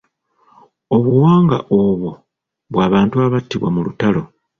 Obuwanga obwo bw'abantu abattibwa mu lutalo.